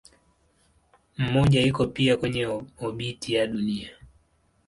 Mmoja iko pia kwenye obiti ya Dunia.